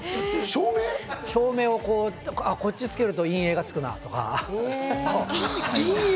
照明をこっちつけると陰影がつくなとか。